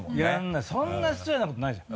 そんな失礼なことないじゃん。